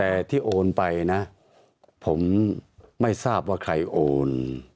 แต่ที่โอนไปนะผมไม่ทราบว่าใครโอน